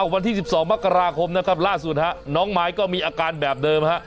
วันที่๑๒มกราคมล่าสุดน้องมายก็มีอาการแบบเดิม